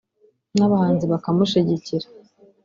n’abahanzi bakamushigikira